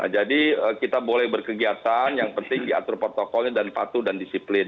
jadi kita boleh berkegiatan yang penting diatur protokolnya dan patuh dan disiplin